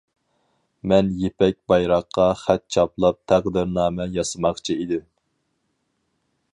مەن يىپەك بايراققا خەت چاپلاپ تەقدىرنامە ياسىماقچى ئىدىم.